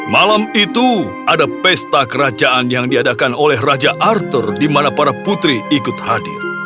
malam itu ada pesta kerajaan yang diadakan oleh raja arthur di mana para putri ikut hadir